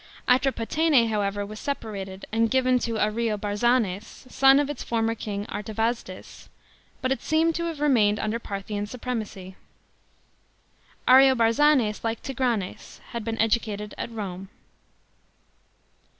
Atropatene, however, was separated, and given to Ariobarzanes, son of its former king Artavasdes, but it seems to have remained under Parthian supremacy. Ariobarzanes, like Tigranes, had been educated at Rome.